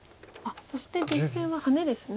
そして実戦はハネですね。